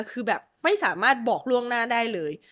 คือแบบไม่สามารถบอกล่วงหน้าได้เลย